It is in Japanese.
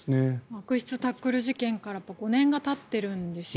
悪質タックル事件から５年がたってるんですよね。